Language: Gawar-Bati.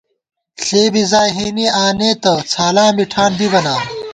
ݪےبی زائی ہېنی آنېتہ ، څھالاں بی ٹھان بِبہ نا